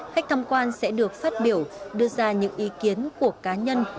khách tham quan sẽ được phát biểu đưa ra những ý kiến của cá nhân